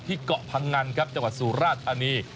ที่เกาะพังงันจังหวัดสุราธารณี